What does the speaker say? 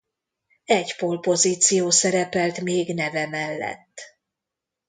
Egy pole-pozíció szerepelt még neve mellett.